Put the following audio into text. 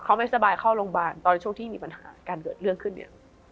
เขาไม่สบายเข้าโรงพยาบาลตอนช่วงที่มีปัญหาการเกิดเรื่องขึ้นเนี่ย